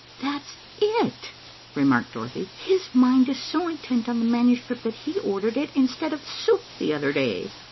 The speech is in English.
"That's it," remarked Dorothy. "His mind is so intent on the manuscript that he ordered it instead of soup the other day."